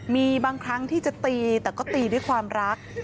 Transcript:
มีบางครั้งที่จะตีแต่ก็ตีด้วยความรัก